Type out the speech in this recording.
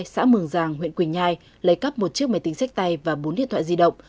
xã mường giàng huyện quỳnh nhai lấy cắp một chiếc máy tính sách tay và bốn điện thoại di động